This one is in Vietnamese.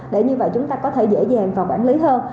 để như vậy chúng ta có thể dễ dàng và quản lý hơn